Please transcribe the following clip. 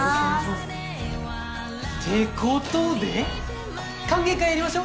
てことで歓迎会やりましょ！